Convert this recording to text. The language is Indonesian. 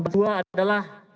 panembahan kedua adalah